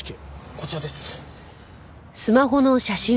こちらです。